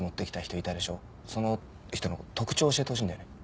その人の特徴教えてほしいんだよね。